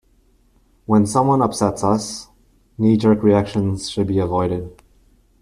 When someone upsets us, knee-jerk reactions should be avoided.